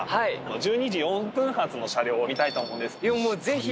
１２時４分発の車両を見たいと思いやもう、ぜひ。